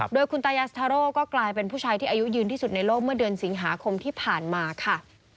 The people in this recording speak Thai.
โดยคุณตายาซาทาโร่ก็กลายเป็นผู้ชายที่อายุยืนที่สุดในโลกเมื่อเดือนสิงหาคมที่ผ่านมาค่ะ